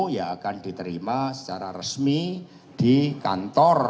yang akan diterima secara resmi di kantor